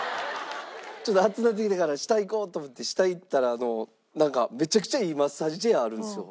ちょっと暑ぅなってきたから下行こうと思って下行ったらなんかめちゃくちゃいいマッサージチェアあるんですよ。